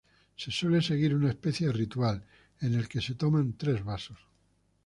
Se suele seguir una especie de ritual, en el que se toman tres vasos.